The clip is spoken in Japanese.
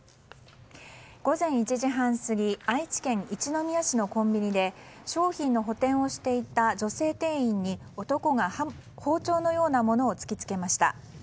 午前１時半過ぎ愛知県一宮市のコンビニで商品の補填をしていた女性店員に男が包丁のようなものを突き付けました。